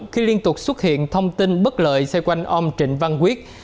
khi liên tục xuất hiện thông tin bất lợi xoay quanh ông trịnh văn quyết